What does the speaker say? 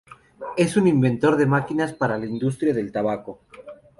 Es un inventor de máquinas para la industria del tabaco.